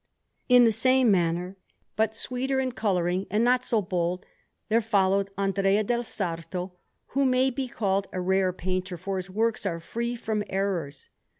In the same manner, but sweeter in colouring and not so bold, there followed Andrea del Sarto, who may be called a rare painter, for his works are free from errors.